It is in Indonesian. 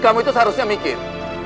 kamu itu seharusnya mikir